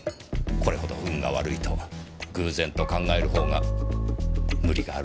これほど運が悪いと偶然と考えるほうが無理があると思いませんか？